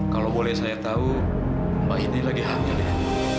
kalau boleh saya tahu mbak ini lagi hamil ya